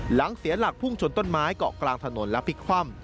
เสียหลักพุ่งชนต้นไม้เกาะกลางถนนและพลิกคว่ำ